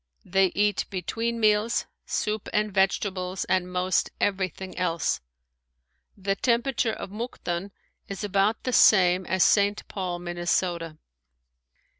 They eat between meals, soup and vegetables and most everything else. The temperature of Mukden is about the same as Saint Paul, Minnesota.